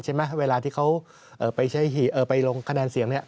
เวลาที่เขาไปลงคะแนนเสียงเนี่ย